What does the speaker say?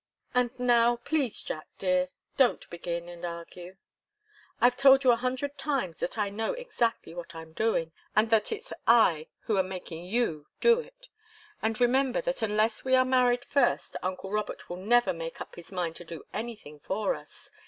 And now, please, Jack dear, don't begin and argue. I've told you a hundred times that I know exactly what I'm doing and that it's I who am making you do it. And remember that unless we are married first uncle Robert will never make up his mind to do anything for us.